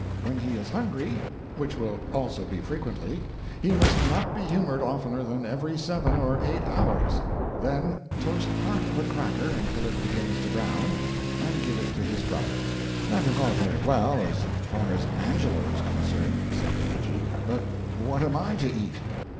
When he is hungry which will also be frequently he must not be humored oftener than every seven or eight hours; then toast part of a cracker until it begins to brown, and give it to his brother." "That is all very well, as far as Angelo is concerned," said Luigi, "but what am I to eat?"